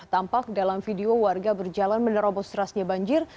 tampak dalam video warga berjalan menerobos terasnya banjir